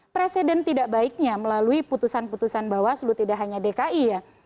presiden tidak baiknya melalui putusan putusan bawaslu tidak hanya dki ya